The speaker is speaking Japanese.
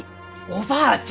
おばあちゃん！